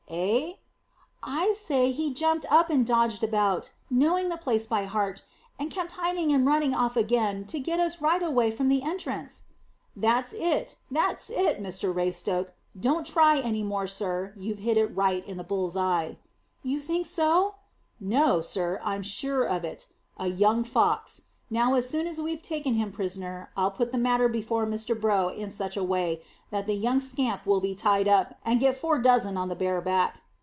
"Eh?" "I say he jumped up and dodged about, knowing the place by heart, and kept hiding and running off again, to get us right away from the entrance." "That's it that's it, Mr Raystoke. Don't try any more, sir. You've hit it right in the bull's eye." "You think so?" "No, sir; I'm sure of it. A young fox. Now as soon as we've taken him prisoner, I'll put the matter before Mr Brough in such a way that the young scamp will be tied up, and get four dozen on the bare back."